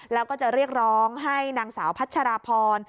แล้วก็จะเรียกร้องให้นางสาวพัชราพร